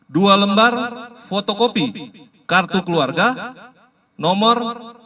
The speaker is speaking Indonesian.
dua lembar fotokopi kartu keluarga nomor tiga ribu dua ratus sembilan satu empat empat lima sembilan enam dua